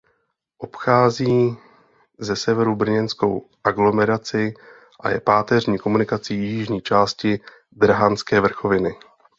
Obchází ze severu brněnskou aglomeraci a je páteřní komunikací jižní části Drahanské vrchoviny.